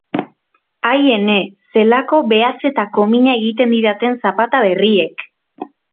Ai ene! zelako behatzetako mina egiten didaten zapata berriek!